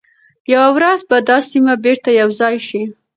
یوه ورځ به دا سیمي بیرته یو ځای شي.